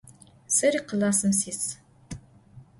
Seri klassım sis.